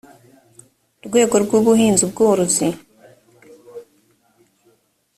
rwego rw ubuhinzi ubworozi